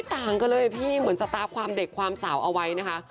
ต่างกันเลยพี่เหมือนสตาร์ฟความเด็กความสาวเอาไว้นะคะ